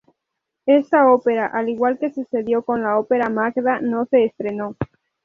Esta ópera, al igual que sucedió con la ópera "Magda" no se estrenó.